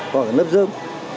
hoặc là lớp dơm